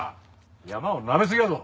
山をなめすぎやぞ！